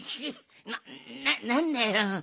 ななんだよ。